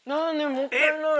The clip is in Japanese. もったいない。